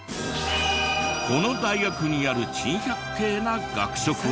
この大学にある珍百景な学食は。